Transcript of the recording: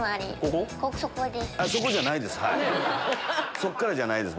そこからじゃないです